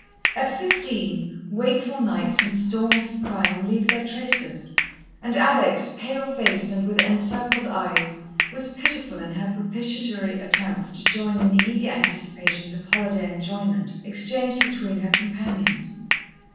At fifteen, wakeful nights and storms of crying leave their traces, and Alex, pale faced and with encircled eyes, was pitiful in her propitiatory attempts to join in the eager anticipations of holiday enjoyment exchanged between her companions.